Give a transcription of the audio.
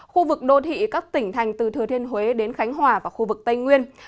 khu vực đô thị các tỉnh thành từ thừa thiên huế đến khánh hòa và khu vực tây nguyên